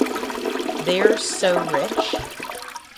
They're so rich.